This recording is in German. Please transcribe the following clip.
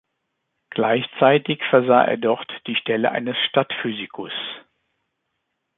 Gleichzeitig versah er dort die Stelle eines Stadtphysicus.